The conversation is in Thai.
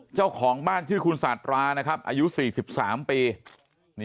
เจ้าของบ้านชื่อคุณสาธารานะครับอายุ๔๓ปี